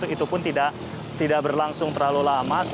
itu pun tidak berlangsung terlalu lama